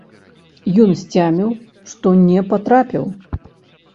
Ён сцяміў, што не патрапіў.